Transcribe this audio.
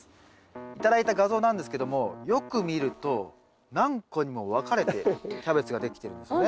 頂いた画像なんですけどもよく見ると何個にも分かれてキャベツができてるんですね。